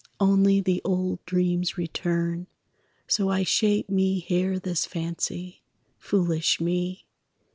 Only the old dreams return. So I shape me here this fancy, Foolish me!